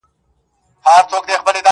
ستا سترگو كي بيا مرۍ، مرۍ اوښـكي,